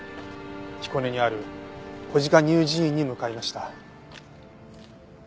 彦根にある小鹿乳児院に向かいました。